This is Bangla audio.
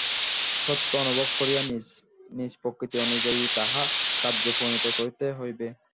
সত্য অনুভব করিয়া নিজ প্রকৃতি অনুয়ায়ী তাহা কার্যে পরিণত করিতে হইবে।